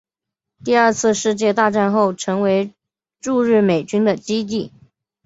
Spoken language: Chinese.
第二次世界大战后成为驻日美军的基地。